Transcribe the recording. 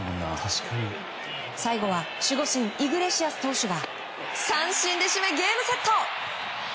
最後は守護神イグレシアス投手が三振で締めゲームセット！